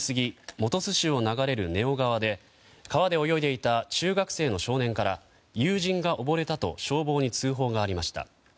本巣市を流れる根尾川で川で泳いでいた中学生の少年から友人が溺れたと消防に通報がありました。